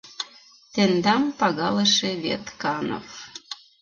Тендам пагалыше Ветканов.